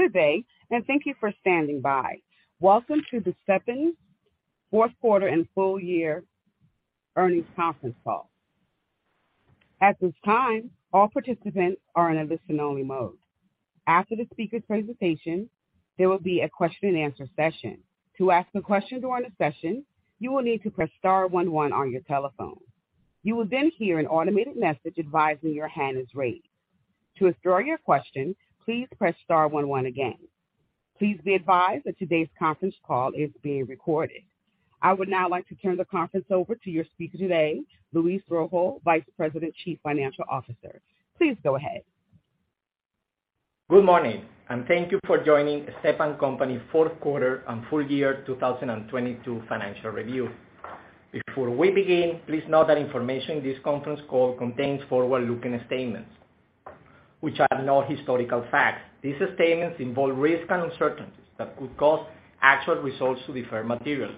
Good day. Thank you for standing by. Welcome to the Stepan fourth quarter and full year earnings conference call. At this time, all participants are in a listen-only mode. After the speaker presentation, there will be a question and answer session. To ask a question during the session, you will need to press star one one on your telephone. You will hear an automated message advising your hand is raised. To withdraw your question, please press star one one again. Please be advised that today's conference call is being recorded. I would now like to turn the conference over to your speaker today, Luis Rojo, Vice President, Chief Financial Officer. Please go ahead. Good morning. Thank you for joining Stepan Company fourth quarter and full year 2022 financial review. Before we begin, please note that information in this conference call contains forward-looking statements which are not historical facts. These statements involve risks and uncertainties that could cause actual results to differ materially,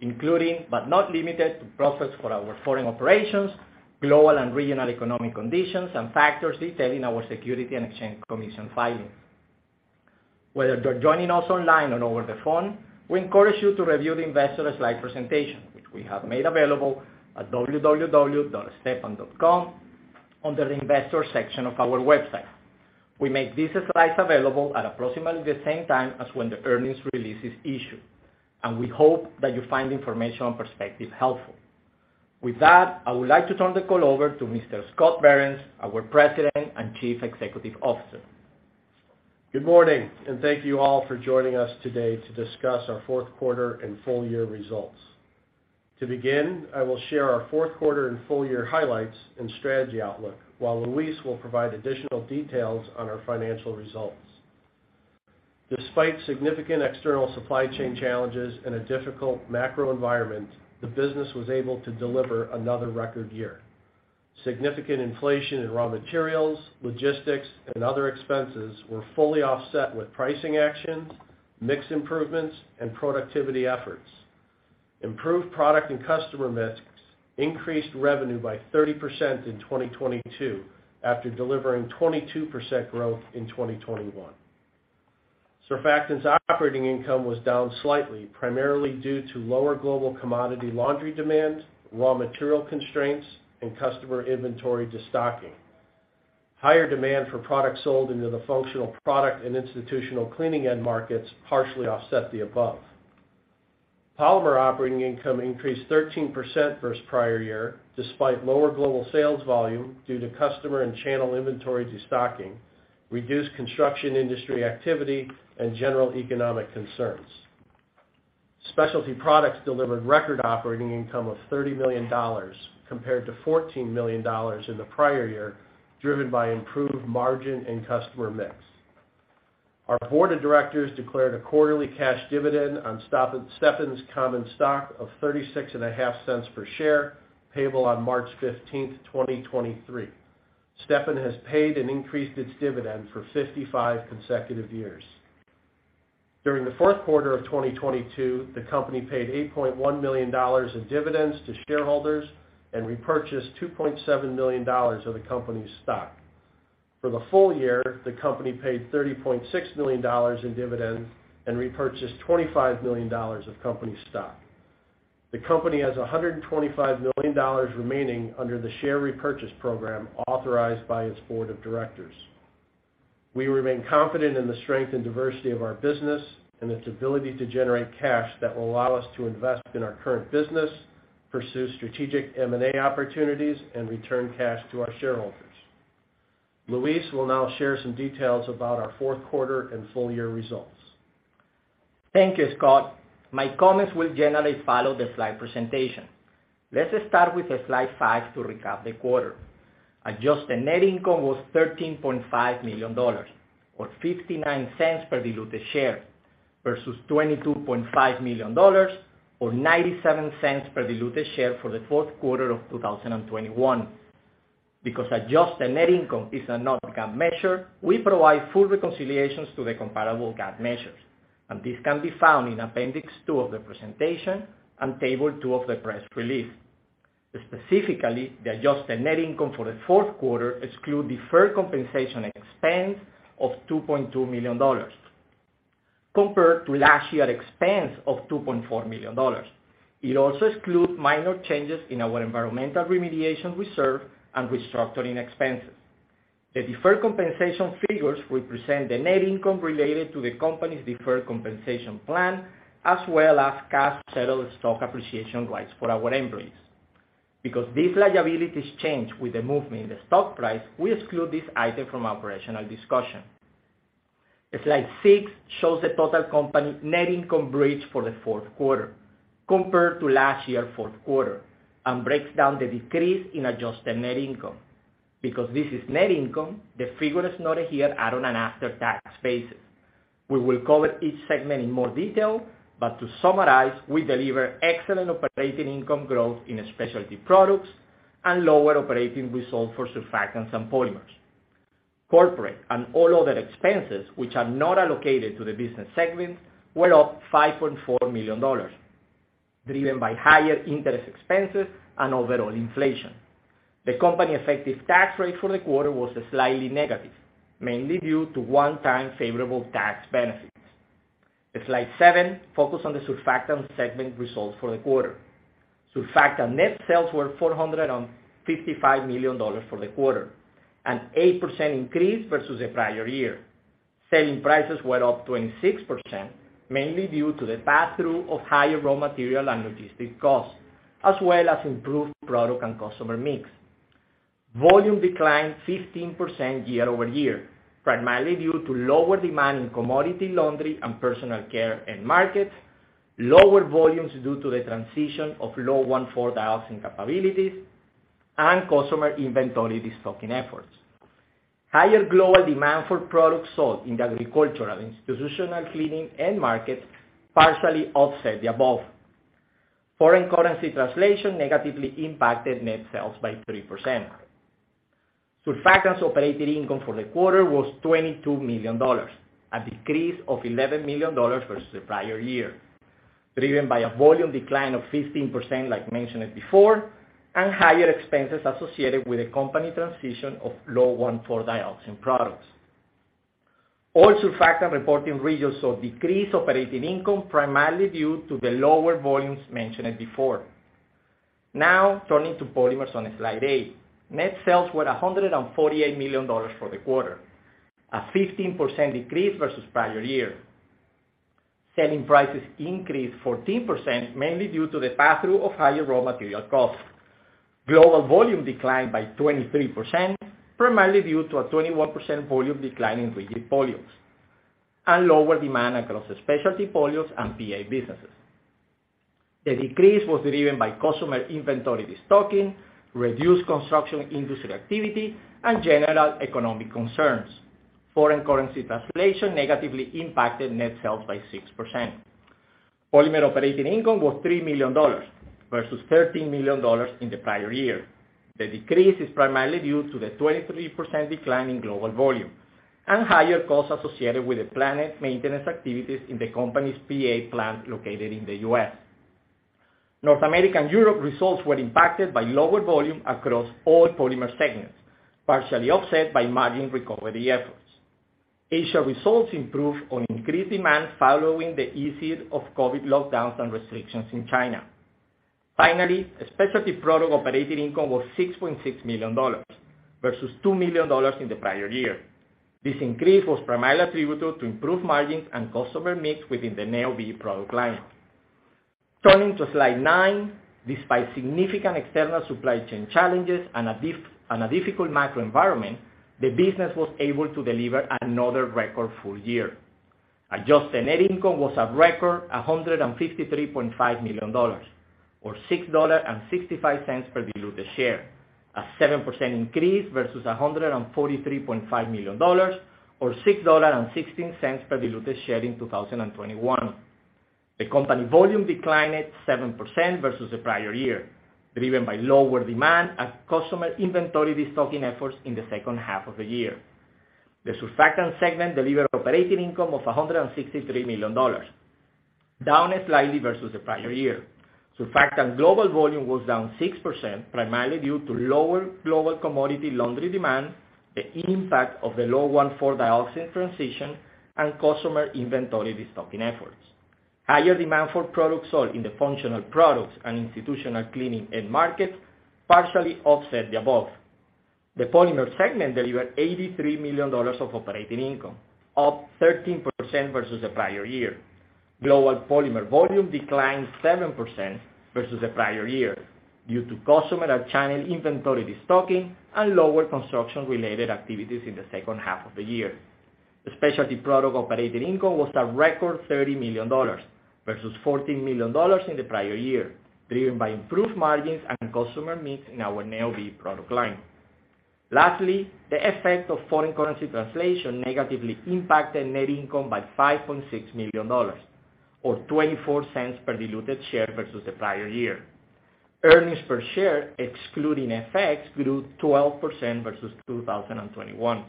including but not limited to profits for our foreign operations, global and regional economic conditions and factors detailed in our Securities and Exchange Commission filings. Whether you're joining us online or over the phone, we encourage you to review the investor slide presentation, which we have made available at www.stepan.com under the Investor section of our website. We make these slides available at approximately the same time as when the earnings release is issued. We hope that you find the information and perspective helpful. With that, I would like to turn the call over to Mr. Scott Behrens, our President and Chief Executive Officer. Good morning, thank you all for joining us today to discuss our fourth quarter and full year results. To begin, I will share our fourth quarter and full year highlights and strategy outlook, while Luis will provide additional details on our financial results. Despite significant external supply chain challenges in a difficult macro environment, the business was able to deliver another record year. Significant inflation in raw materials, logistics and other expenses were fully offset with pricing actions, mix improvements and productivity efforts. Improved product and customer mix increased revenue by 30% in 2022 after delivering 22% growth in 2021. Surfactants operating income was down slightly, primarily due to lower global commodity laundry demand, raw material constraints and customer inventory destocking. Higher demand for products sold into the functional product and institutional cleaning end markets partially offset the above. Polymer operating income increased 13% versus prior year, despite lower global sales volume due to customer and channel inventory destocking, reduced construction industry activity and general economic concerns. Specialty Products delivered record operating income of $30 million compared to $14 million in the prior year, driven by improved margin and customer mix. Our board of directors declared a quarterly cash dividend on Stepan's common stock of $0.365 per share, payable on March 15, 2023. Stepan has paid and increased its dividend for 55 consecutive years. During the fourth quarter of 2022, the company paid $8.1 million in dividends to shareholders and repurchased $2.7 million of the company's stock. For the full year, the company paid $30.6 million in dividends and repurchased $25 million of company stock. The company has $125 million remaining under the share repurchase program authorized by its board of directors. We remain confident in the strength and diversity of our business and its ability to generate cash that will allow us to invest in our current business, pursue strategic M&A opportunities, and return cash to our shareholders. Luis will now share some details about our fourth quarter and full year results. Thank you, Scott. My comments will generally follow the slide presentation. Let's start with slide five to recap the quarter. Adjusted net income was $13.5 million, or $0.59 per diluted share, versus $22.5 million or $0.97 per diluted share for the fourth quarter of 2021. Because adjusted net income is not GAAP measure, we provide full reconciliations to the comparable GAAP measures, and this can be found in appendix two of the presentation and table two of the press release. Specifically, the adjusted net income for the fourth quarter exclude deferred compensation expense of $2.2 million compared to last year expense of $2.4 million. It also excludes minor changes in our environmental remediation reserve and restructuring expenses. The deferred compensation figures represent the net income related to the company's deferred compensation plan, as well as cash settled stock appreciation rights for our employees. Because these liabilities change with the movement in the stock price, we exclude this item from operational discussion. Slide six shows the total company net income bridge for the fourth quarter compared to last year fourth quarter and breaks down the decrease in adjusted net income. Because this is net income, the figures noted here are on an after-tax basis. To summarize, we deliver excellent operating income growth in Specialty Products and lower operating results for Surfactants and Polymers. Corporate and all other expenses which are not allocated to the business segments were up $5.4 million. Driven by higher interest expenses and overall inflation. The company effective tax rate for the quarter was slightly negative, mainly due to one-time favorable tax benefits. The slide seven focus on the Surfactants segment results for the quarter. Surfactants net sales were $455 million for the quarter, an 8% increase versus the prior year. Selling prices were up 26%, mainly due to the passthrough of higher raw material and logistic costs, as well as improved product and customer mix. Volume declined 15% year-over-year, primarily due to lower demand in commodity laundry and personal care end markets, lower volumes due to the transition of low 1,4-Dioxane capabilities, and customer inventory destocking efforts. Higher global demand for products sold in the agricultural institutional cleaning end markets partially offset the above. Foreign currency translation negatively impacted net sales by 3%. Surfactants' operating income for the quarter was $22 million, a decrease of $11 million versus the prior year. Driven by a volume decline of 15%, like mentioned it before, and higher expenses associated with the company transition of low 1,4-Dioxane products. All Surfactant reporting regions saw decreased operating income primarily due to the lower volumes mentioned it before. Turning to Polymers on slide 8. Net sales were $148 million for the quarter, a 15% decrease versus prior year. Selling prices increased 14%, mainly due to the passthrough of higher raw material costs. Global volume declined by 23%, primarily due to a 21% volume decline in rigid polyols, and lower demand across specialty polyols and PA businesses. The decrease was driven by customer inventory destocking, reduced construction industry activity, and general economic concerns. Foreign currency translation negatively impacted net sales by 6%. Polymers operating income was $3 million versus $13 million in the prior year. The decrease is primarily due to the 23% decline in global volume and higher costs associated with the planned maintenance activities in the company's PA plant located in the U.S. North America and Europe results were impacted by lower volume across all Polymers segments, partially offset by margin recovery efforts. Asia results improved on increased demand following the easing of COVID lockdowns and restrictions in China. Specialty Products operating income was $6.6 million versus $2 million in the prior year. This increase was primarily attributable to improved margins and customer mix within the NEOB product line. Turning to slide nine, despite significant external supply chain challenges and a difficult macro environment, the business was able to deliver another record full year. Adjusted net income was a record $153.5 million or $6.65 per diluted share, a 7% increase versus $143.5 million or $6.16 per diluted share in 2021. The company volume declined 7% versus the prior year, driven by lower demand and customer inventory destocking efforts in the second half of the year. The Surfactant segment delivered operating income of $163 million, down slightly versus the prior year. Surfactant global volume was down 6%, primarily due to lower global commodity laundry demand, the impact of the low 1,4-Dioxane transition, and customer inventory destocking efforts. Higher demand for products sold in the functional products and institutional cleaning end markets partially offset the above. The Polymer segment delivered $83 million of operating income, up 13% versus the prior year. Global Polymer volume declined 7% versus the prior year due to customer and channel inventory destocking and lower construction-related activities in the second half of the year. The Specialty Products operating income was a record $30 million versus $14 million in the prior year, driven by improved margins and customer mix in our NEOB product line. The effect of foreign currency translation negatively impacted net income by $5.6 million or $0.24 per diluted share versus the prior year. Earnings per share, excluding FX, grew 12% versus 2021.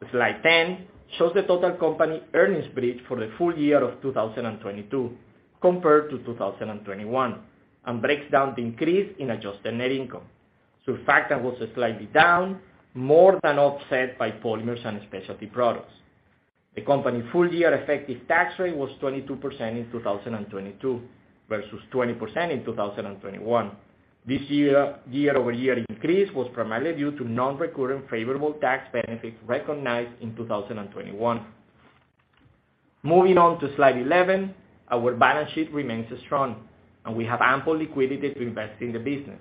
The slide 10 shows the total company earnings bridge for the full year of 2022 compared to 2021, and breaks down the increase in adjusted net income. Surfactant was slightly down, more than offset by Polymers and Specialty Products. The company full-year effective tax rate was 22% in 2022 versus 20% in 2021. This year-over-year increase was primarily due to non-recurring favorable tax benefits recognized in 2021. Moving on to slide 11. Our balance sheet remains strong, and we have ample liquidity to invest in the business.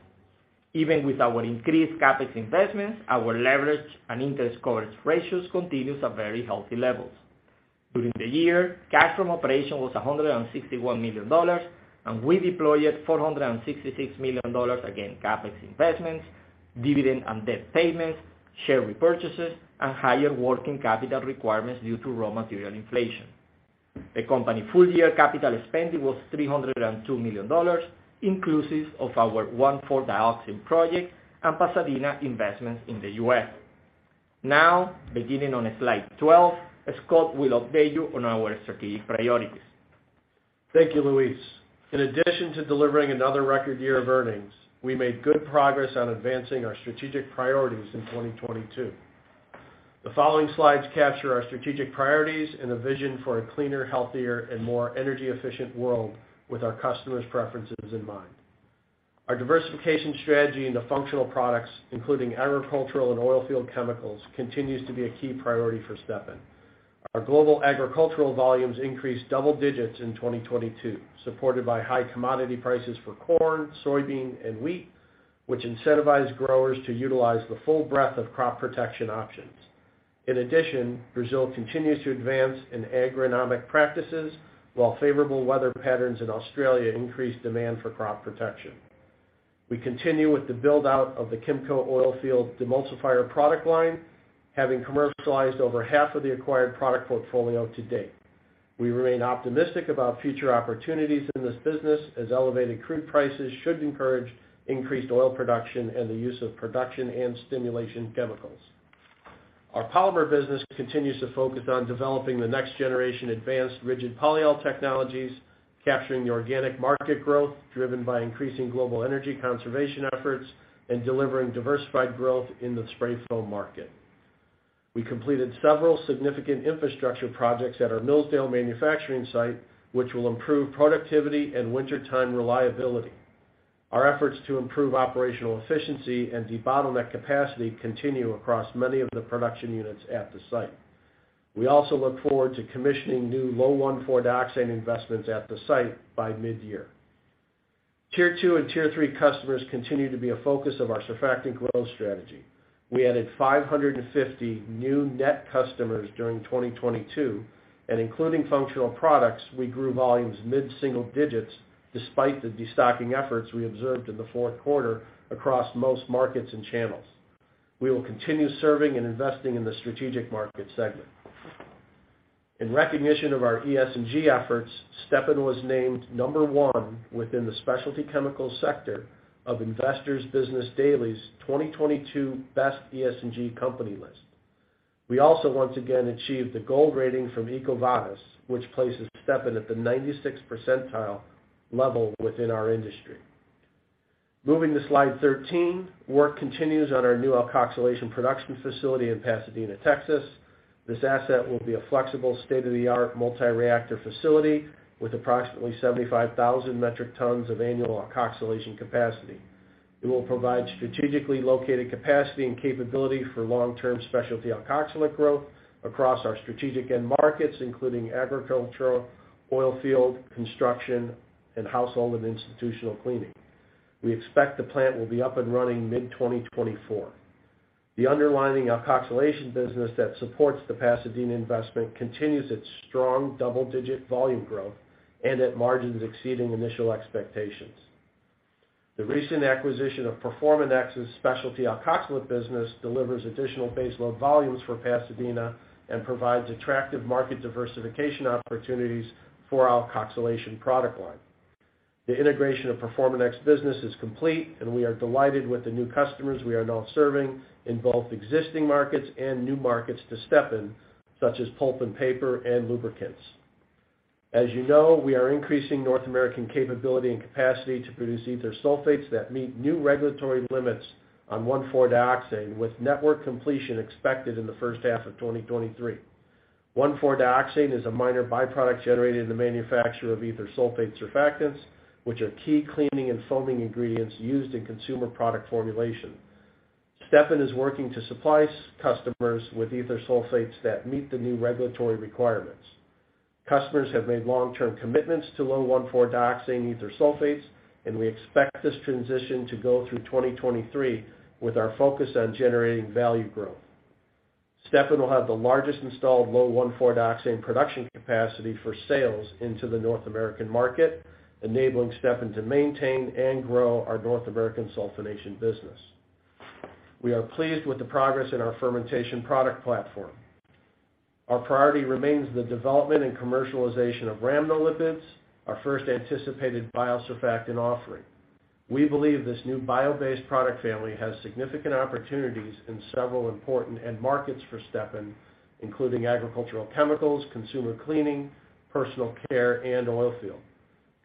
Even with our increased CapEx investments, our leverage and interest coverage ratios continues at very healthy levels. During the year, cash from operation was $161 million, we deployed $466 million against CapEx investments, dividend and debt payments, share repurchases, and higher working capital requirements due to raw material inflation. The company full-year capital spending was $302 million, inclusive of our 1,4-Dioxane project and Pasadena investments in the U.S. Beginning on slide 12, as Scott will update you on our strategic priorities. Thank you, Luis. In addition to delivering another record year of earnings, we made good progress on advancing our strategic priorities in 2022. The following slides capture our strategic priorities and a vision for a cleaner, healthier, and more energy efficient world with our customers preferences in mind. Our diversification strategy into functional products, including agricultural and oilfield chemicals, continues to be a key priority for Stepan. Our global agricultural volumes increased double digits in 2022, supported by high commodity prices for corn, soybean, and wheat, which incentivize growers to utilize the full breadth of crop protection options. Brazil continues to advance in agronomic practices while favorable weather patterns in Australia increase demand for crop protection. We continue with the build out of the KIMCO oilfield demulsifier product line, having commercialized over half of the acquired product portfolio to date. We remain optimistic about future opportunities in this business, as elevated crude prices should encourage increased oil production and the use of production and stimulation chemicals. Our Polymers business continues to focus on developing the next generation advanced rigid polyols technologies, capturing the organic market growth driven by increasing global energy conservation efforts and delivering diversified growth in the spray foam market. We completed several significant infrastructure projects at our Millsdale manufacturing site, which will improve productivity and wintertime reliability. Our efforts to improve operational efficiency and debottleneck capacity continue across many of the production units at the site. We also look forward to commissioning new low 1,4-Dioxane investments at the site by mid-year. Tier two and tier three customers continue to be a focus of our Surfactants growth strategy. We added 550 new net customers during 2022. Including functional products, we grew volumes mid-single digits despite the destocking efforts we observed in the fourth quarter across most markets and channels. We will continue serving and investing in the strategic market segment. In recognition of our ESG efforts, Stepan was named number one within the Specialty Chemicals sector of Investor's Business Daily's 2022 best ESG company list. We also once again achieved the gold rating from EcoVadis, which places Stepan at the 96th percentile level within our industry. Moving to slide 13. Work continues on our new alkoxylation production facility in Pasadena, Texas. This asset will be a flexible state of the art multi reactor facility with approximately 75,000 metric tons of annual alkoxylation capacity. It will provide strategically located capacity and capability for long term specialty alkoxylate growth across our strategic end markets, including agricultural, oilfield, construction, and household and institutional cleaning. We expect the plant will be up and running mid 2024. The underlining alkoxylation business that supports the Pasadena investment continues its strong double-digit volume growth and at margins exceeding initial expectations. The recent acquisition of Performanx's specialty alkoxylate business delivers additional baseload volumes for Pasadena and provides attractive market diversification opportunities for our alkoxylation product line. The integration of Performanx business is complete, and we are delighted with the new customers we are now serving in both existing markets and new markets to Stepan, such as pulp and paper and lubricants. As you know, we are increasing North American capability and capacity to produce ether sulfates that meet new regulatory limits on 1,4-Dioxane, with network completion expected in the first half of 2023. 1,4-Dioxane is a minor byproduct generated in the manufacture of ether sulfate surfactants, which are key cleaning and foaming ingredients used in consumer product formulation. Stepan is working to supply customers with ether sulfates that meet the new regulatory requirements. Customers have made long term commitments to low 1,4-Dioxane ether sulfates, and we expect this transition to go through 2023, with our focus on generating value growth. Stepan will have the largest installed low 1,4-Dioxane production capacity for sales into the North American market, enabling Stepan to maintain and grow our North American sulfonation business. We are pleased with the progress in our fermentation product platform. Our priority remains the development and commercialization of rhamnolipids, our first anticipated biosurfactant offering. We believe this new bio based product family has significant opportunities in several important end markets for Stepan, including agricultural chemicals, consumer cleaning, personal care, and oil field.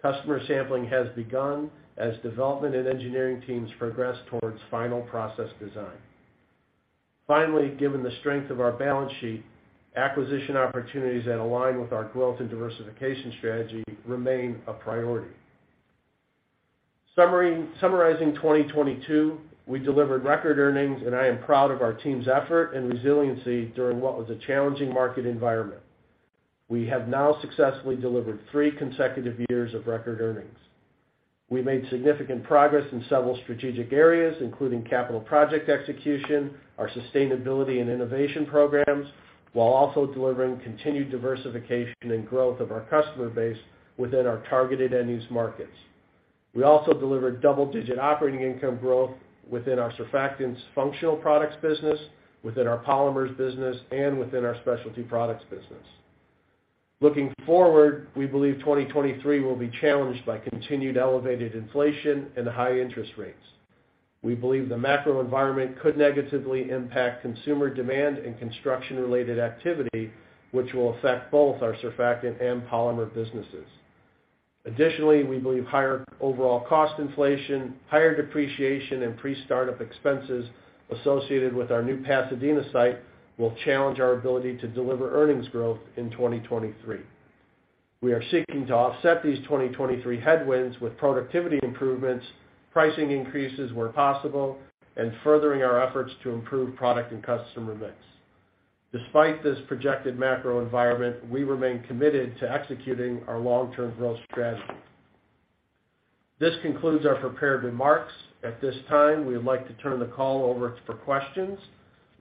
Customer sampling has begun as development and engineering teams progress towards final process design. Given the strength of our balance sheet, acquisition opportunities that align with our growth and diversification strategy remain a priority. Summarizing 2022, we delivered record earnings, I am proud of our team's effort and resiliency during what was a challenging market environment. We have now successfully delivered three consecutive years of record earnings. We made significant progress in several strategic areas, including capital project execution, our sustainability and innovation programs, while also delivering continued diversification and growth of our customer base within our targeted end use markets. We also delivered double-digit operating income growth within our Surfactants functional products business, within our Polymers business, and within our Specialty Products business. Looking forward, we believe 2023 will be challenged by continued elevated inflation and high interest rates. We believe the macro environment could negatively impact consumer demand and construction related activity, which will affect both our Surfactant and Polymer businesses. Additionally, we believe higher overall cost inflation, higher depreciation and pre-startup expenses associated with our new Pasadena site will challenge our ability to deliver earnings growth in 2023. We are seeking to offset these 2023 headwinds with productivity improvements, pricing increases where possible, and furthering our efforts to improve product and customer mix. Despite this projected macro environment, we remain committed to executing our long-term growth strategy. This concludes our prepared remarks. At this time, we would like to turn the call over for questions.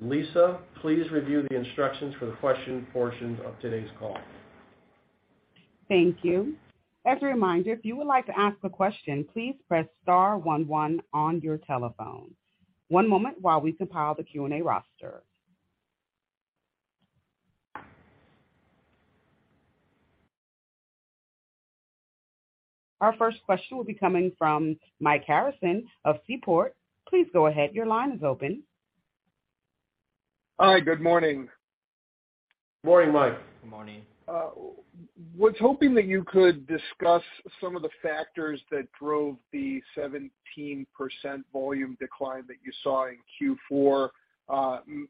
Lisa, please review the instructions for the question portion of today's call. Thank you. As a reminder, if you would like to ask a question, please press Star one one on your telephone. One moment while we compile the Q&A roster. Our first question will be coming from Mike Harrison of Seaport Research Partners. Please go ahead. Your line is open. Hi. Good morning. Morning, Mike. Good morning. was hoping that you could discuss some of the factors that drove the 17% volume decline that you saw in Q4.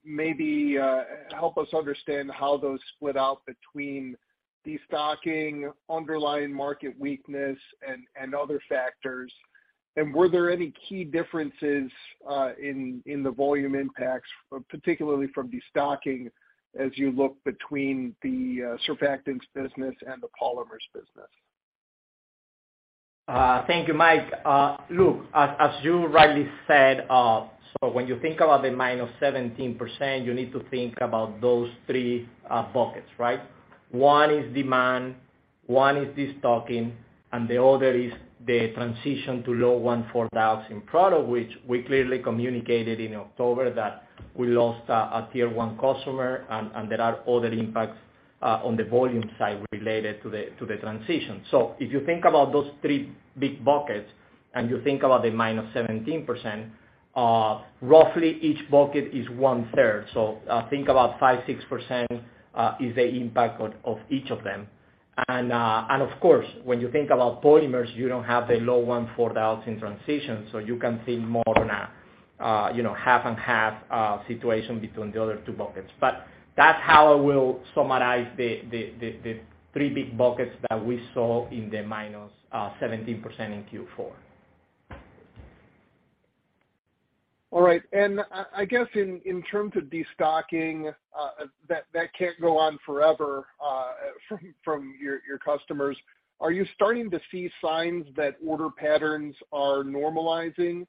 maybe help us understand how those split out between destocking, underlying market weakness and other factors. Were there any key differences in the volume impacts, particularly from destocking as you look between the Surfactants business and the Polymers business? Thank you, Mike. Look, as you rightly said, when you think about the -17%, you need to think about those three buckets, right? One is demand, one is destocking, and the other is the transition to low 1,4-diols, which we clearly communicated in October that we lost a tier one customer and there are other impacts on the volume side related to the transition. If you think about those three big buckets and you think about the -17%, roughly each bucket is one-third. Think about 5%, 6% is the impact of each of them. Of course, when you think about Polymers, you don't have the low 1,4-Dioxane in transition, so you can think more on a, you know, half and half situation between the other two buckets. That's how I will summarize the three big buckets that we saw in the minus 17% in Q4. All right. I guess in terms of destocking, that can't go on forever, from your customers. Are you starting to see signs that order patterns are normalizing,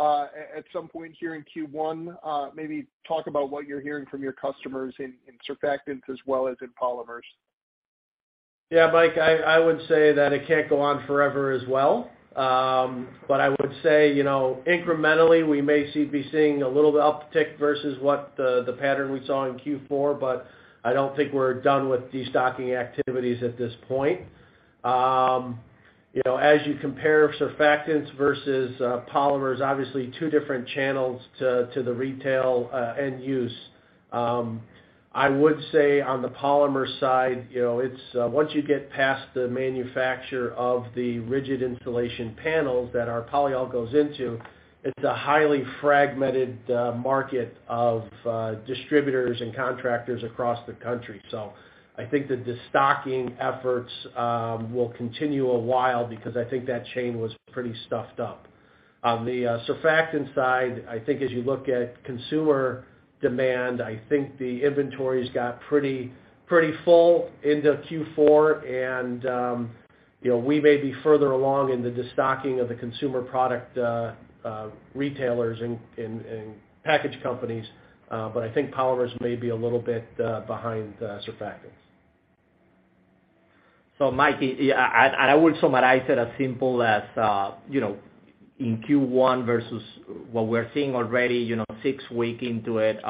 at some point here in Q1? Maybe talk about what you're hearing from your customers in Surfactants as well as in Polymers. Yeah, Mike, I would say that it can't go on forever as well. I would say, you know, incrementally, we may be seeing a little uptick versus what the pattern we saw in Q4, but I don't think we're done with destocking activities at this point. You know, as you compare Surfactants versus Polymers, obviously two different channels to the retail, end use. I would say on the Polymer side, you know, it's, once you get past the manufacture of the rigid installation panels that our polyol goes into, it's a highly fragmented market of distributors and contractors across the country. I think the destocking efforts will continue a while because I think that chain was pretty stuffed up. On the surfactant side, I think as you look at consumer demand, I think the inventories got pretty full into Q4 and, you know, we may be further along in the destocking of the consumer product retailers and package companies, but I think Polymers may be a little bit behind Surfactants. Mike, yeah, I would summarize it as simple as, you know, in Q1 versus what we're seeing already, you know, six week into it,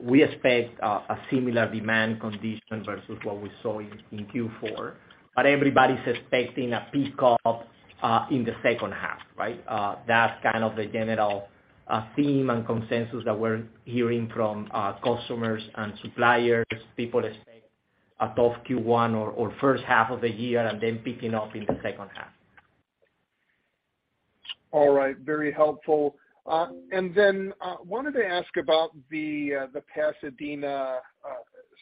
we expect a similar demand condition versus what we saw in Q4. Everybody's expecting a pick-up in the second half, right? That's kind of the general theme and consensus that we're hearing from customers and suppliers. People expect a tough Q1 or first half of the year and then picking up in the second half. All right. Very helpful. Then, wanted to ask about the Pasadena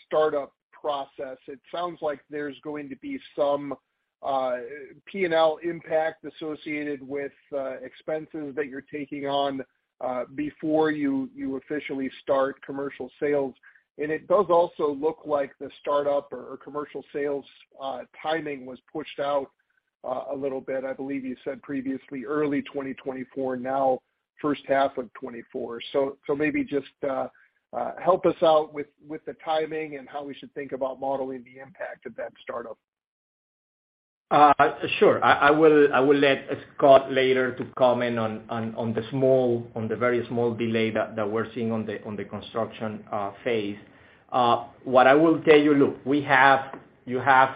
startup process. It sounds like there's going to be some P&L impact associated with expenses that you're taking on before you officially start commercial sales. It does also look like the startup or commercial sales timing was pushed out a little bit. I believe you said previously early 2024, now first half of 2024. Maybe just help us out with the timing and how we should think about modeling the impact of that startup? Sure. I will let Scott later to comment on the very small delay that we're seeing on the construction phase. What I will tell you. Look, you have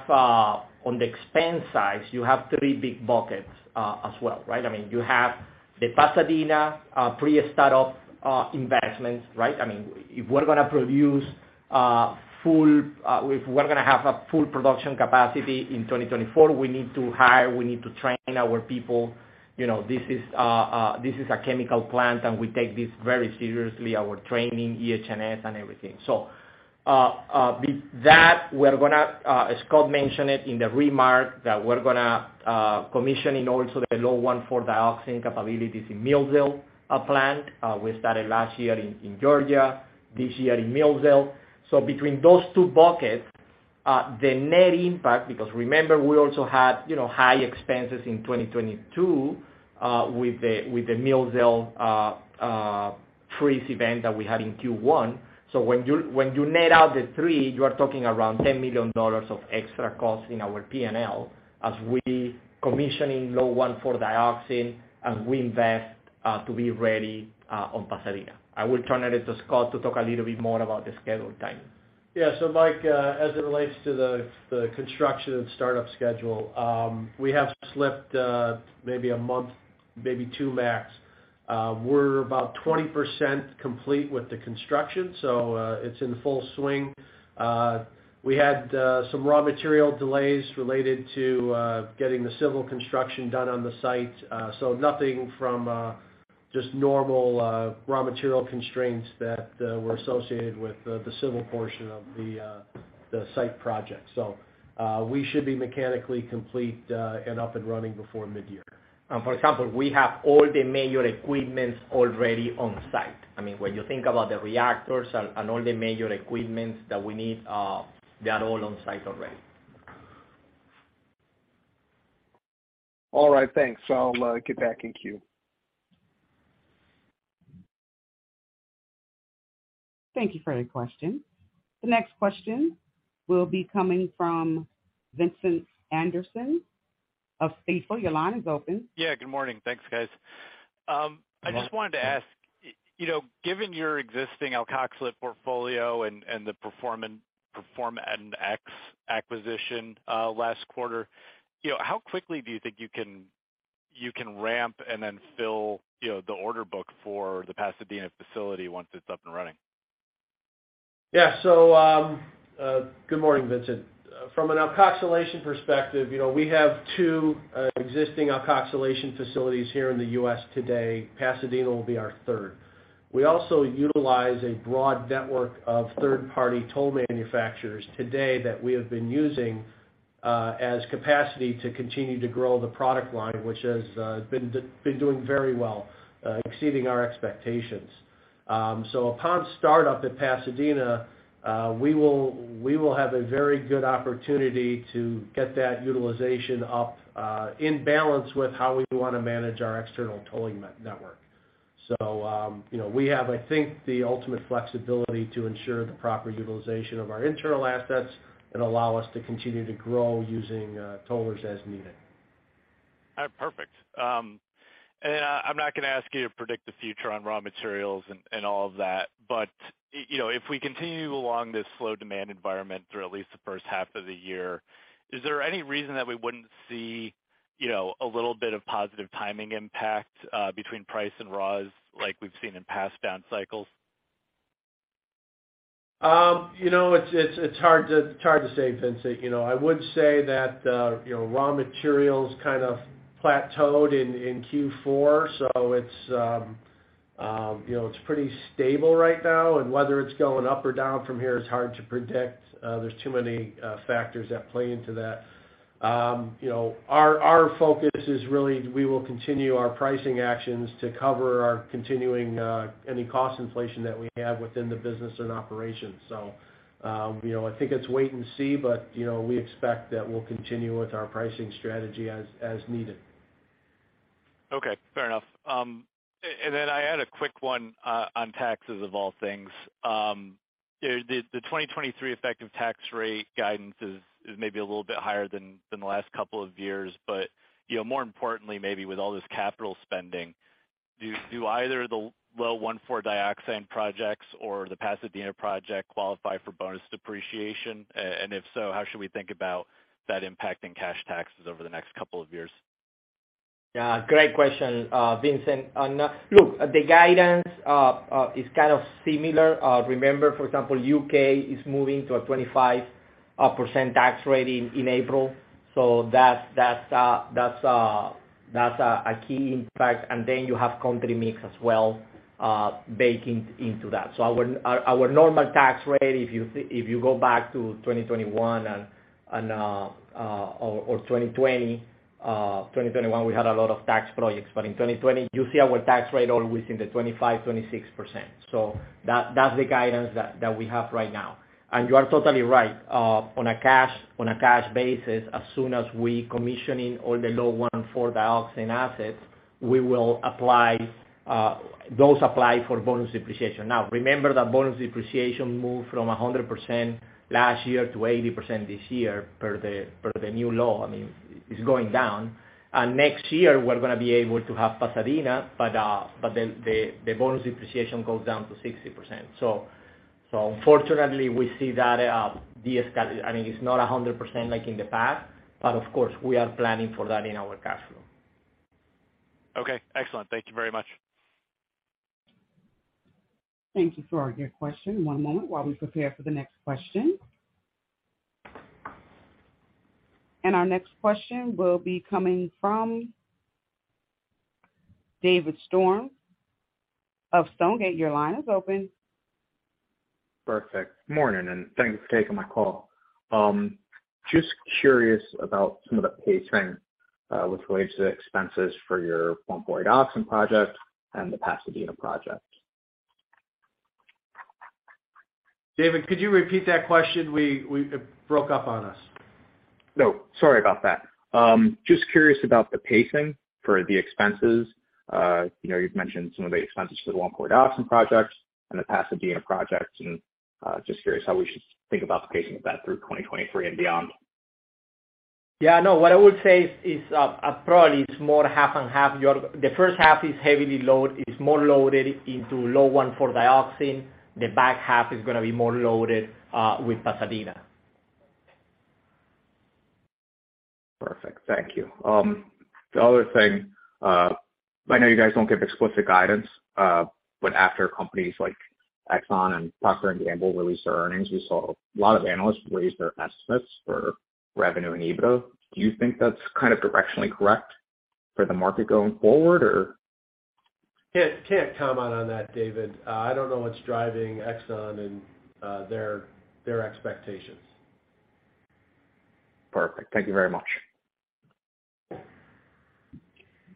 on the expense side, you have three big buckets as well, right? I mean, you have the Pasadena pre-startup investments, right? I mean, if we're gonna produce full, if we're gonna have a full production capacity in 2024, we need to hire, we need to train our people. You know, this is a chemical plant, and we take this very seriously, our training, EH&S and everything. That, we're gonna, as Scott mentioned it in the remark, that we're gonna, commission in also the low 1,4-Dioxane capabilities in Millsdale plant. We started last year in Georgia, this year in Millsdale. Between those two buckets, the net impact, because remember, we also had, you know, high expenses in 2022, with the Millsdale freeze event that we had in Q1. When you, when you net out the three, you are talking around $10 million of extra costs in our P&L as we commissioning low 1,4-Dioxane and we invest, to be ready, on Pasadena. I will turn it to Scott to talk a little bit more about the schedule timing. Yeah. Mike, as it relates to the construction and startup schedule, we have slipped, maybe one month, maybe two max. We're about 20% complete with the construction. It's in full swing. We had some raw material delays related to getting the civil construction done on the site. Nothing from just normal raw material constraints that were associated with the civil portion of the site project. We should be mechanically complete and up and running before midyear. For example, we have all the major equipments already on site. I mean, when you think about the reactors and all the major equipments that we need, they are all on site already. All right, thanks. I'll get back in queue. Thank you for your question. The next question will be coming from Vincent Anderson of Stifel. Your line is open. Yeah, good morning. Thanks, guys. I just wanted to ask, you know, given your existing alkoxylate portfolio and the PerformanX acquisition, last quarter, you know, how quickly do you think you can ramp and then fill, you know, the order book for the Pasadena facility once it's up and running? Yeah. Good morning, Vincent. From an alkoxylation perspective, you know, we have two existing alkoxylation facilities here in the U.S. today. Pasadena will be our third. We also utilize a broad network of third-party toll manufacturers today that we have been using as capacity to continue to grow the product line, which has been doing very well, exceeding our expectations. Upon startup at Pasadena, we will have a very good opportunity to get that utilization up in balance with how we wanna manage our external tolling network. You know, we have, I think, the ultimate flexibility to ensure the proper utilization of our internal assets and allow us to continue to grow using tollers as needed. Perfect. I'm not gonna ask you to predict the future on raw materials and all of that, but you know, if we continue along this slow demand environment through at least the first half of the year, is there any reason that we wouldn't see, you know, a little bit of positive timing impact between price and raws like we've seen in past down cycles? You know, it's hard to say, Vincent. You know, I would say that, you know, raw materials kind of plateaued in Q4, so it's, you know, it's pretty stable right now, and whether it's going up or down from here is hard to predict. There's too many factors that play into that. You know, our focus is really we will continue our pricing actions to cover our continuing any cost inflation that we have within the business and operations. You know, I think it's wait and see, but, you know, we expect that we'll continue with our pricing strategy as needed. Okay. Fair enough. And then I had a quick one on taxes of all things. The 2023 effective tax rate guidance is maybe a little bit higher than the last couple of years. You know, more importantly, maybe with all this capital spending, do either the low 1,4-Dioxane projects or the Pasadena project qualify for bonus depreciation? And if so, how should we think about that impact in cash taxes over the next couple of years? Yeah, great question, Vincent. Look, the guidance is kind of similar. Remember, for example, UK is moving to a 25% tax rate in April. That's a key impact. You have country mix as well baking into that. Our normal tax rate, if you go back to 2021 and or 2020, 2021, we had a lot of tax projects. In 2020, you see our tax rate always in the 25%, 26%. That's the guidance that we have right now. You are totally right. On a cash basis, as soon as we commissioning all the low 1,4-Dioxane assets, we will apply those apply for bonus depreciation. Now, remember that bonus depreciation moved from 100% last year to 80% this year per the new law. I mean, it's going down. Next year, we're gonna be able to have Pasadena, the bonus depreciation goes down to 60%. Unfortunately, we see that I mean, it's not 100% like in the past, of course, we are planning for that in our cash flow. Okay, excellent. Thank you very much. Thank you for your question. One moment while we prepare for the next question. Our next question will be coming from Dave Storms of Stonegate. Your line is open. Perfect. Morning. Thanks for taking my call. Just curious about some of the pacing with regards to the expenses for your 1,4-Dioxane project and the Pasadena project. David, could you repeat that question? It broke up on us. No, sorry about that. Just curious about the pacing for the expenses. You know, you'd mentioned some of the expenses for the 1,4-Dioxane projects and the Pasadena projects. Just curious how we should think about the pacing of that through 2023 and beyond. Yeah, no, what I would say is, probably it's more half and half. The first half is more loaded into low 1,4-Dioxane. The back half is going to be more loaded with Pasadena. Perfect. Thank you. The other thing, I know you guys don't give explicit guidance, but after companies like Exxon and Procter & Gamble released their earnings, we saw a lot of analysts raise their estimates for revenue and EBITDA. Do you think that's kind of directionally correct for the market going forward or? Can't comment on that, David. I don't know what's driving Exxon and their expectations. Perfect. Thank you very much.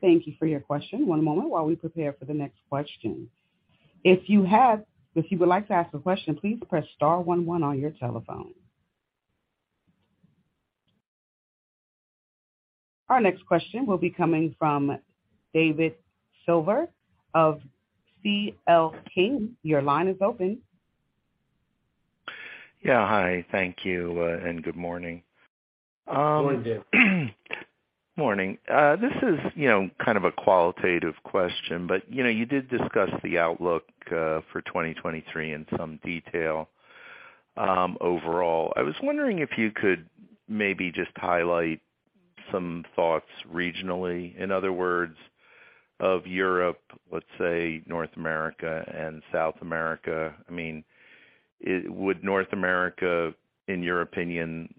Thank you for your question. One moment while we prepare for the next question. If you would like to ask a question, please press Star one one on your telephone. Our next question will be coming from David Silver of C.L. King & Associates. Your line is open. Yeah. Hi. Thank you, and good morning. Morning, Dave. Morning. This is, you know, kind of a qualitative question, but, you know, you did discuss the outlook for 2023 in some detail, overall. I was wondering if you could maybe just highlight some thoughts regionally. In other words, of Europe, let's say North America and South America. I mean, would North America, in your opinion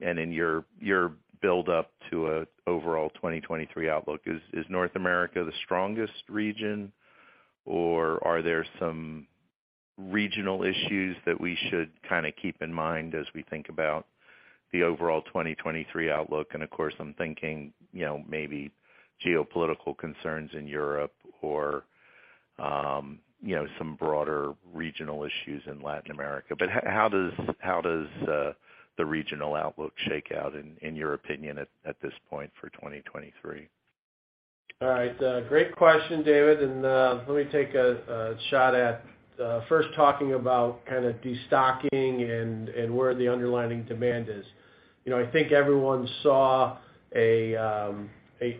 and in your build-up to a overall 2023 outlook, is North America the strongest region, or are there some regional issues that we should kinda keep in mind as we think about the overall 2023 outlook? Of course, I'm thinking, you know, maybe geopolitical concerns in Europe or, you know, some broader regional issues in Latin America. How does the regional outlook shake out in your opinion at this point for 2023? All right. Great question, David. Let me take a shot at first talking about kinda destocking and where the underlying demand is. You know, I think everyone saw a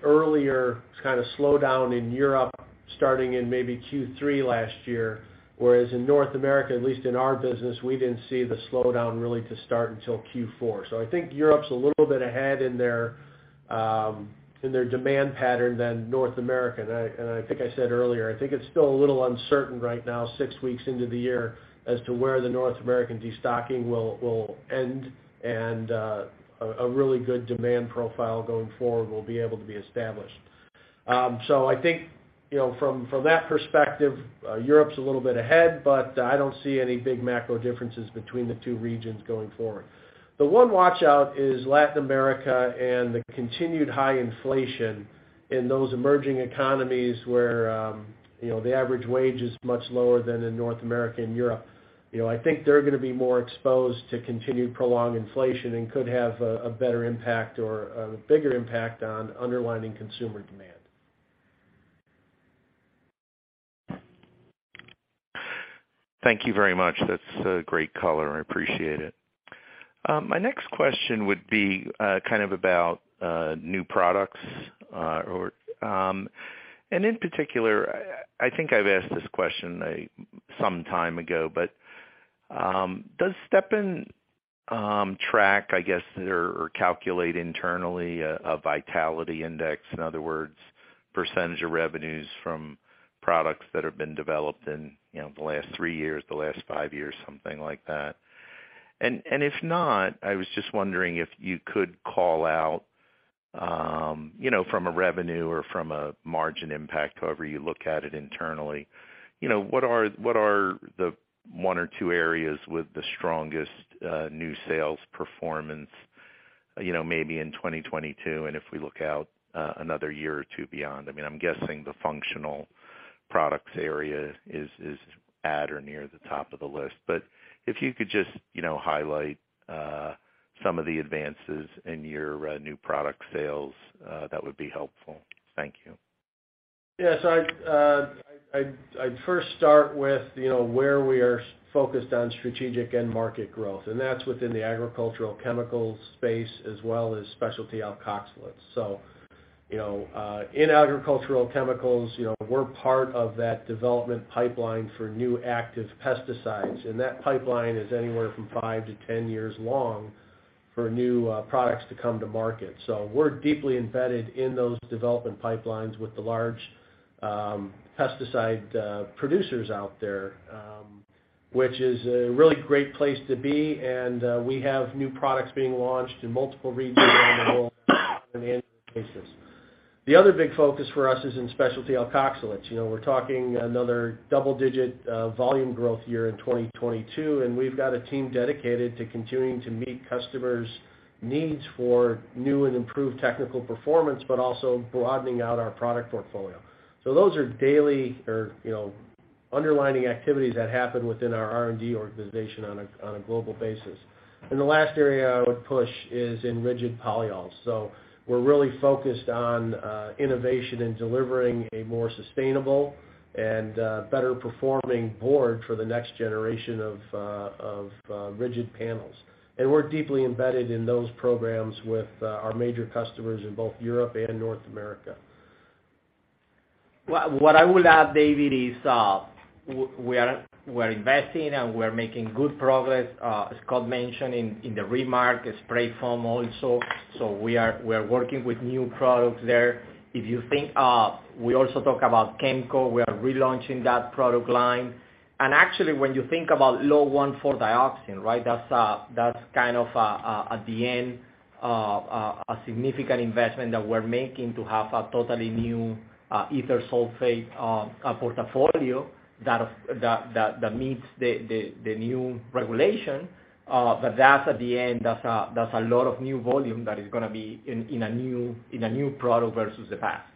earlier kinda slowdown in Europe starting in maybe Q3 last year, whereas in North America, at least in our business, we didn't see the slowdown really to start until Q4. I think Europe's a little bit ahead in their demand pattern than North America. I think I said earlier, I think it's still a little uncertain right now, six weeks into the year, as to where the North American destocking will end and a really good demand profile going forward will be able to be established. I think, you know, from that perspective, Europe's a little bit ahead, but I don't see any big macro differences between the two regions going forward. The one watch-out is Latin America and the continued high inflation in those emerging economies where, you know, the average wage is much lower than in North America and Europe. You know, I think they're gonna be more exposed to continued prolonged inflation and could have a better impact or a bigger impact on underlying consumer demand. Thank you very much. That's a great color. I appreciate it. My next question would be kind of about new products. Or, in particular, I think I've asked this question some time ago, but does Stepan track, I guess, or calculate internally a Vitality Index? In other words, percentage of revenues from products that have been developed in, you know, the last three years, the last five years, something like that. If not, I was just wondering if you could call out, you know, from a revenue or from a margin impact, however you look at it internally. You know, what are the one or two areas with the strongest new sales performance, you know, maybe in 2022, and if we look out another year or two beyond? I mean, I'm guessing the functional products area is at or near the top of the list. If you could just, you know, highlight some of the advances in your new product sales, that would be helpful. Thank you. I'd first start with, you know, where we are focused on strategic end market growth, and that's within the agricultural chemicals space as well as specialty alkoxylates. In agricultural chemicals, you know, we're part of that development pipeline for new active pesticides, and that pipeline is anywhere from five to 10 years long for new products to come to market. We're deeply embedded in those development pipelines with the large pesticide producers out there, which is a really great place to be, and we have new products being launched in multiple regions around the world on an annual basis. The other big focus for us is in specialty alkoxylates. You know, we're talking another double-digit, volume growth year in 2022. We've got a team dedicated to continuing to meet customers' needs for new and improved technical performance, but also broadening out our product portfolio. Those are daily or, you know, underlining activities that happen within our R&D organization on a global basis. The last area I would push is in rigid polyols. We're really focused on innovation and delivering a more sustainable and better performing board for the next generation of rigid panels. We're deeply embedded in those programs with our major customers in both Europe and North America. What I would add, David, is, we're investing, and we're making good progress, as Scott mentioned, in the remark, spray foam also. We are working with new products there. If you think, we also talk about KIMCO, we are relaunching that product line. Actually, when you think about low 1,4-Dioxane, right? That's, that's kind of at the end, a significant investment that we're making to have a totally new ether sulfate portfolio that meets the new regulation. That's at the end. That's a lot of new volume that is gonna be in a new product versus the past.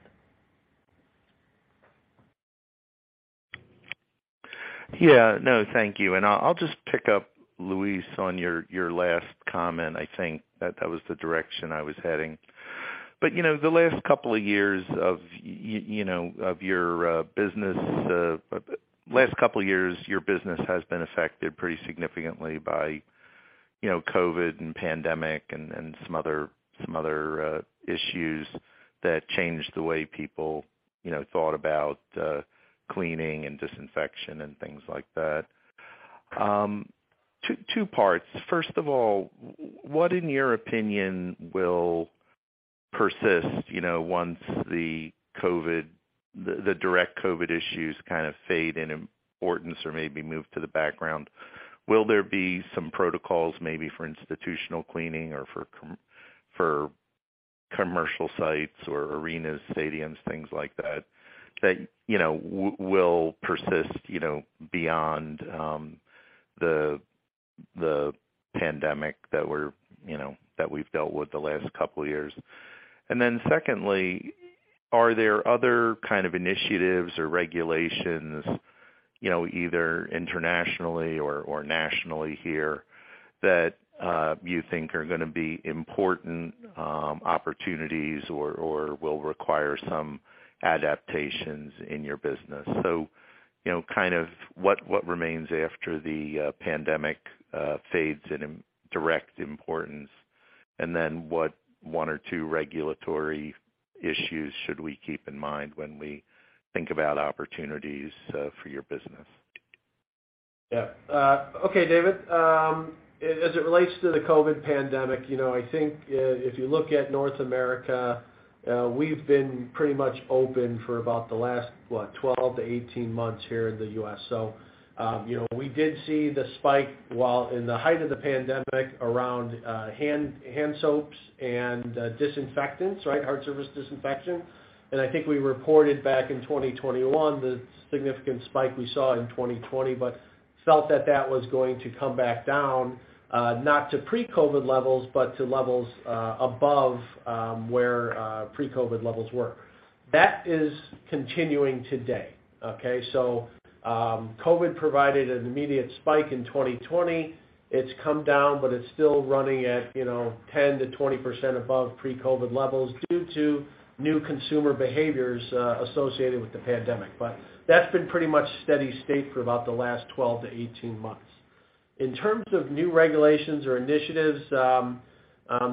Yeah. No, thank you. I'll just pick up, Luis, on your last comment. I think that that was the direction I was heading. You know, the last couple of years of you know, of your business, last couple years, your business has been affected pretty significantly by, you know, COVID and pandemic and some other, some other issues that changed the way people, you know, thought about cleaning and disinfection and things like that. Two parts. First of all, what, in your opinion, will persist, you know, once the COVID, the direct COVID issues kind of fade in importance or maybe move to the background? Will there be some protocols maybe for institutional cleaning or for commercial sites or arenas, stadiums, things like that, you know, will persist, you know, beyond the pandemic that we're, you know, that we've dealt with the last couple years? Secondly, are there other kind of initiatives or regulations, you know, either internationally or nationally here that you think are gonna be important opportunities or will require some adaptations in your business? You know, kind of what remains after the pandemic fades in direct importance? What one or two regulatory issues should we keep in mind when we think about opportunities for your business? Okay, David. As it relates to the COVID pandemic, you know, I think, if you look at North America, we've been pretty much open for about the last, what, 12-18 months here in the U.S. You know, we did see the spike while in the height of the pandemic around hand soaps and disinfectants, right? Hard surface disinfection. I think we reported back in 2021 the significant spike we saw in 2020, but felt that that was going to come back down, not to pre-COVID levels, but to levels above where pre-COVID levels were. That is continuing today, okay? COVID provided an immediate spike in 2020. It's come down, but it's still running at, you know, 10%-20% above pre-COVID levels due to new consumer behaviors, associated with the pandemic. That's been pretty much steady state for about the last 12-18 months. In terms of new regulations or initiatives,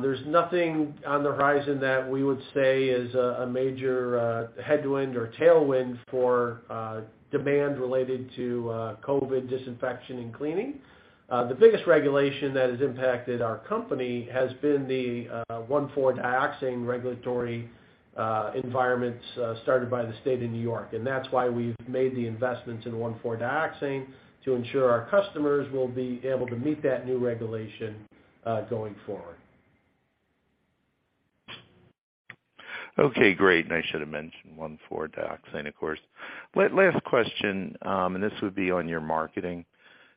there's nothing on the horizon that we would say is a major headwind or tailwind for demand related to COVID disinfection and cleaning. The biggest regulation that has impacted our company has been the 1,4-Dioxane regulatory environments, started by the state of New York, and that's why we've made the investments in 1,4-Dioxane to ensure our customers will be able to meet that new regulation going forward. Okay, great. I should have mentioned 1,4-Dioxane, of course. Last question. This would be on your marketing,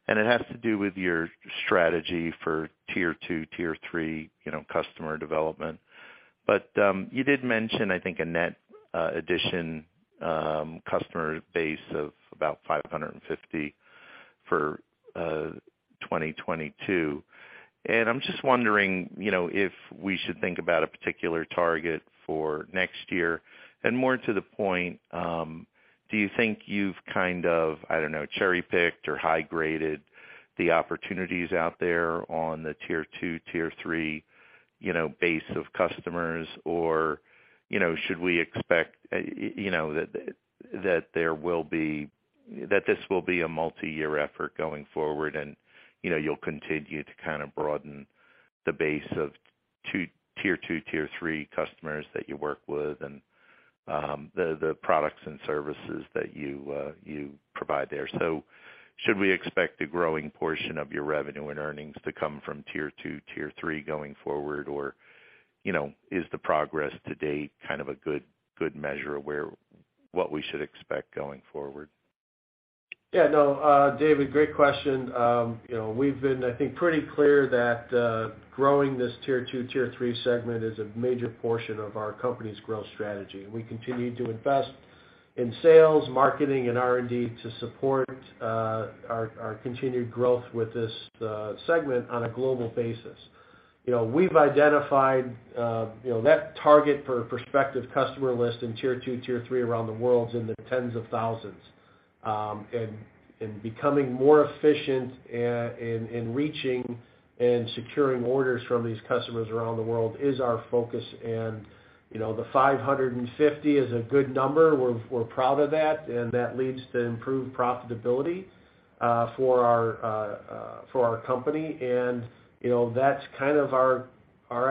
and it has to do with your strategy for tier two, tier three, you know, customer development. You did mention, I think, a net addition customer base of about 550 for 2022. I'm just wondering, you know, if we should think about a particular target for next year. More to the point, do you think you've kind of, I don't know, cherry-picked or high-graded the opportunities out there on the tier two, tier three, you know, base of customers or, you know, should we expect that there will be... This will be a multi-year effort going forward and, you know, you'll continue to kind of broaden the base of tier 2, tier 3 customers that you work with and the products and services that you provide there. Should we expect a growing portion of your revenue and earnings to come from tier 2, tier 3 going forward? You know, is the progress to date kind of a good measure of what we should expect going forward? Yeah, no, David, great question. You know, we've been, I think, pretty clear that, growing this tier two, tier three segment is a major portion of our company's growth strategy. We continue to invest in sales, marketing, and R&D to support, our continued growth with this segment on a global basis. You know, we've identified, you know, net target for prospective customer list in tier two, tier three around the world in the tens of thousands. Becoming more efficient in reaching and securing orders from these customers around the world is our focus. You know, the 550 is a good number. We're proud of that, and that leads to improved profitability, for our company. you know, that's kind of our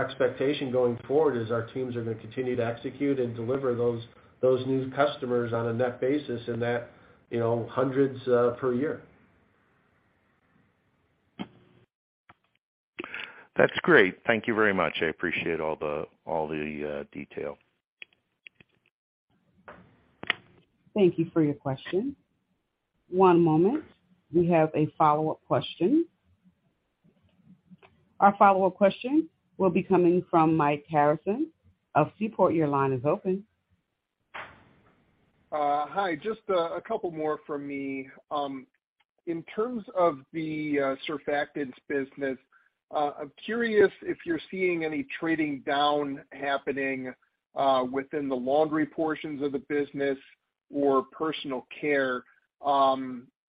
expectation going forward, is our teams are gonna continue to execute and deliver those new customers on a net basis and that, you know, 100s per year. That's great. Thank you very much. I appreciate all the detail. Thank you for your question. One moment. We have a follow-up question. Our follow-up question will be coming from Mike Harrison of Seaport. Your line is open. Hi. Just a couple more from me. In terms of the Surfactants business, I'm curious if you're seeing any trading down happening within the laundry portions of the business or personal care.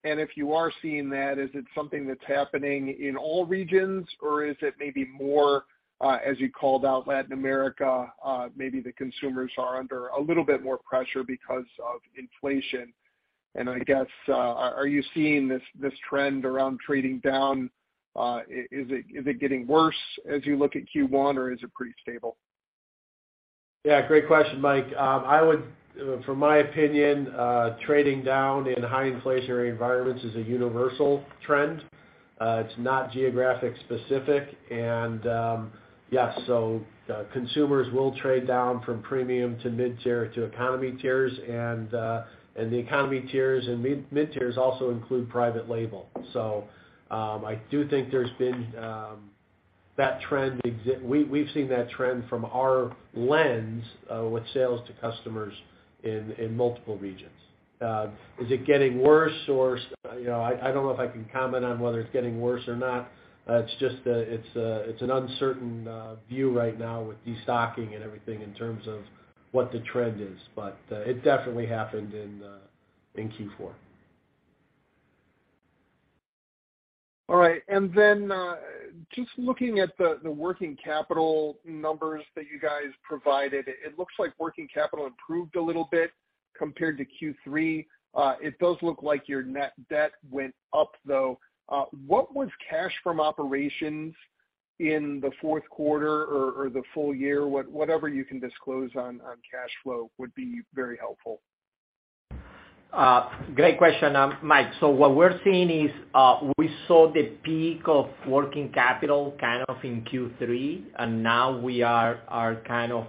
If you are seeing that, is it something that's happening in all regions, or is it maybe more, as you called out Latin America, maybe the consumers are under a little bit more pressure because of inflation? I guess, are you seeing this trend around trading down, is it, is it getting worse as you look at Q1, or is it pretty stable? Yeah, great question, Mike. From my opinion, trading down in high inflationary environments is a universal trend. It's not geographic specific. Yeah, consumers will trade down from premium to mid-tier to economy tiers. The economy tiers and mid-tiers also include private label. I do think there's been that trend. We've seen that trend from our lens with sales to customers in multiple regions. Is it getting worse or? You know, I don't know if I can comment on whether it's getting worse or not. It's just, it's an uncertain view right now with destocking and everything in terms of what the trend is. It definitely happened in Q4. All right. Just looking at the working capital numbers that you guys provided, it looks like working capital improved a little bit compared to Q3. It does look like your net debt went up, though. What was cash from operations in the fourth quarter or the full year? Whatever you can disclose on cash flow would be very helpful. Great question, Mike. What we're seeing is, we saw the peak of working capital kind of in Q3, and now we are kind of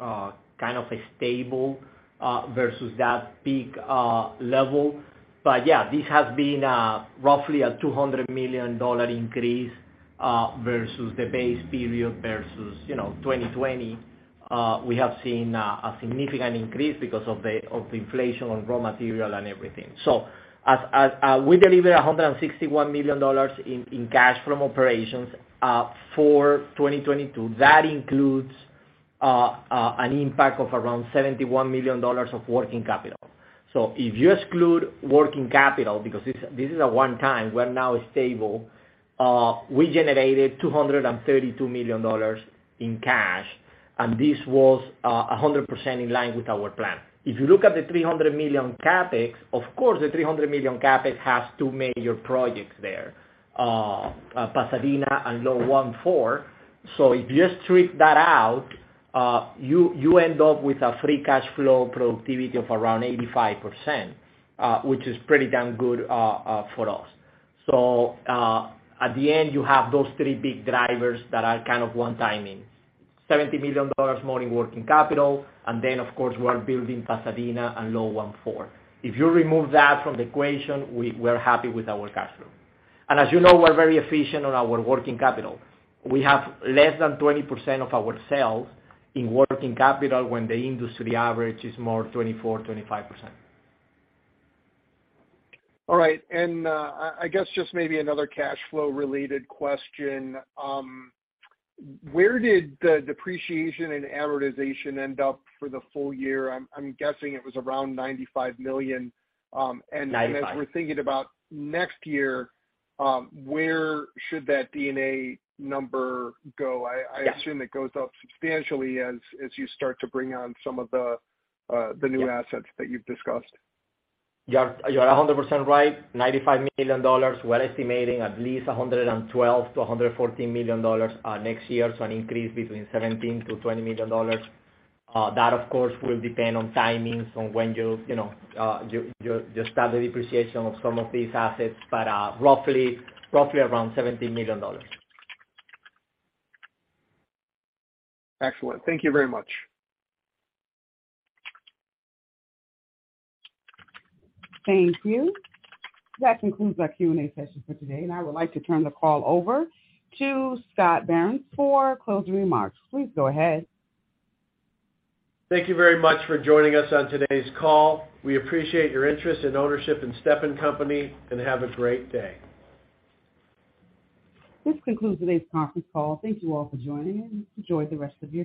a stable versus that peak level. Yeah, this has been roughly a $200 million increase versus the base period versus, you know, 2020. We have seen a significant increase because of the inflation on raw material and everything. As we deliver $161 million in cash from operations for 2022, that includes an impact of around $71 million of working capital. If you exclude working capital, because this is a one-time, we're now stable, we generated $232 million in cash, and this was 100% in line with our plan. If you look at the $300 million CapEx, of course, the $300 million CapEx has two major projects there, Pasadena and Low 1,4. If you strip that out, you end up with a free cash flow productivity of around 85%, which is pretty damn good for us. At the end, you have those three big drivers that are kind of one-timing. $70 million more in working capital, and then, of course, we're building Pasadena and Low 1,4. If you remove that from the equation, we're happy with our cash flow. As you know, we're very efficient on our working capital. We have less than 20% of our sales in working capital when the industry average is more 24%-25%. All right. I guess just maybe another cash flow related question. Where did the depreciation and amortization end up for the full year? I'm guessing it was around $95 million. 95. As we're thinking about next year, where should that D&A number go? I assume it goes up substantially as you start to bring on some of the new assets that you've discussed. You're 100% right, $95 million. We're estimating at least $112 million-$114 million, next year. An increase between $17 million-$20 million. That, of course, will depend on timings on when you know, you start the depreciation of some of these assets, but, roughly around $17 million. Excellent. Thank you very much. Thank you. That concludes our Q&A session for today. I would like to turn the call over to Scott Behrens for closing remarks. Please go ahead. Thank you very much for joining us on today's call. We appreciate your interest and ownership in Stepan Company. Have a great day. This concludes today's conference call. Thank you all for joining and enjoy the rest of your day.